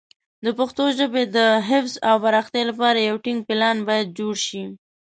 د پښتو ژبې د حفظ او پراختیا لپاره یو ټینګ پلان باید جوړ شي.